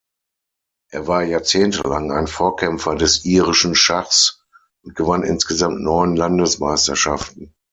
Er war jahrzehntelang ein Vorkämpfer des irischen Schachs und gewann insgesamt neun Landesmeisterschaften.